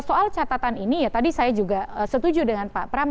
soal catatan ini ya tadi saya juga setuju dengan pak pram